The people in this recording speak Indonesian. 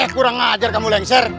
kurang ngajar kamu lengser